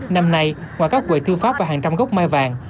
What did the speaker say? năm nay ngoài các quầy thư pháp và hàng trăm gốc mai vàng